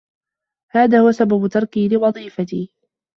هذا هو سبب تركي لوظيفتي.